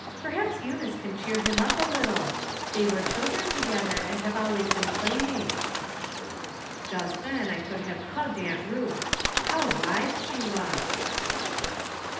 Perhaps Eunice can cheer him up a little ; they were children together, and have always been playmates." Just then I could have hugged Aunt Ruth. How wise she was